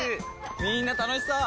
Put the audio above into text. みんな楽しそう！